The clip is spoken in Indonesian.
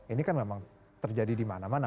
ini kan memang terjadi di mana mana